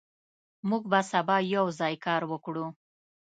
موږ به سبا یوځای کار وکړو.